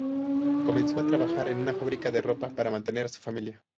Comenzó a trabajar en una fábrica de ropa para mantener a su familia.